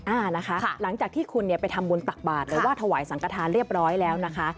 อ่านะคะหลังจากที่คุณเนี่ยไปทำบุญตักบาทหรือว่าถวายสังกฐานเรียบร้อยแล้วนะคะ